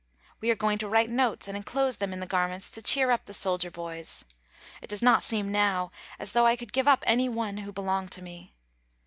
We are going to write notes and enclose them in the garments to cheer up the soldier boys. It does not seem now as though I could give up any one who belonged to me.